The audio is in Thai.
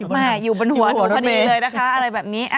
ไม่อยู่บนหัวตัวนี้เลยนะคะอะไรแบบนี้